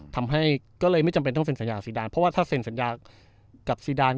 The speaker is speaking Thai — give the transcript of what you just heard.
ทำให้ก็เลยไม่จำเป็นต้องเซ็นสัญญากับซีดานเพราะว่าถ้าเซ็นสัญญากับซีดาน